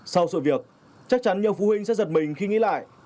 sau sự việc chắc chắn nhiều phụ huynh sẽ giật mình khi nghĩ lại